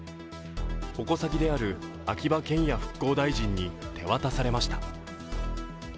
矛先である秋葉賢也復興大臣に手渡されました。